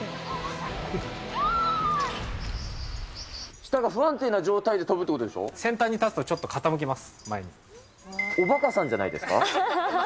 下が不安定な状態で飛ぶって先端に立つとちょっと傾きまおばかさんじゃないですか。